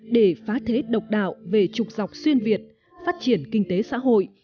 để phá thế độc đạo về trục dọc xuyên việt phát triển kinh tế xã hội